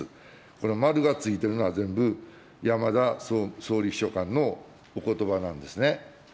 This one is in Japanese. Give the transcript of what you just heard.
この丸がついてるのは全部山田総理秘書官のおことばなんですね。